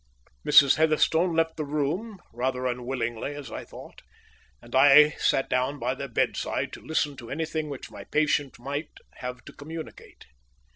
Mrs. Heatherstone left the room rather unwillingly, as I thought and I sat down by the bedside to listen to anything which my patient might have to communicate.